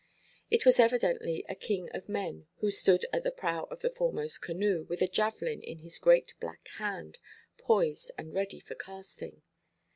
It was evidently a king of men who stood at the prow of the foremost canoe, with a javelin in his great black hand, poised and ready for casting.